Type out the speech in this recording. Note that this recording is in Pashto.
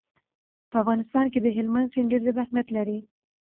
په افغانستان کې هلمند سیند ډېر زیات اهمیت لري.